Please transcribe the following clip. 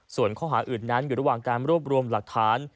ส่วนข้อหาอื่นนั้นอยู่ระหว่างการรวบรวมหลักฐาน